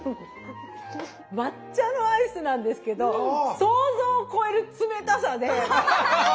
抹茶のアイスなんですけど想像を超える冷たさで。